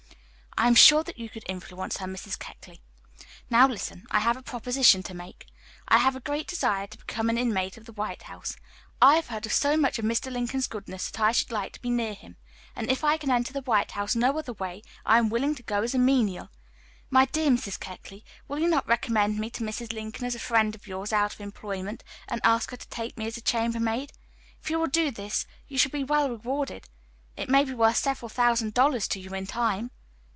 "I am sure that you could influence her, Mrs. Keckley. Now listen; I have a proposition to make. I have a great desire to become an inmate of the White House. I have heard so much of Mr. Lincoln's goodness that I should like to be near him; and if I can enter the White House no other way, I am willing to go as a menial. My dear Mrs. Keckley, will you not recommend me to Mrs. Lincoln as a friend of yours out of employment, and ask her to take me as a chambermaid? If you will do this you shall be well rewarded. It may be worth several thousand dollars to you in time."